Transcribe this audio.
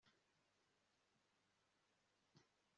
kuki ukora ibyo, tom